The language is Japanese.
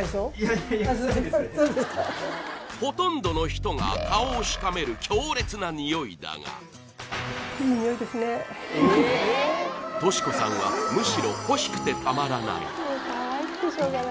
えっほとんどの人が顔をしかめるだが登志子さんはむしろ欲しくてたまらない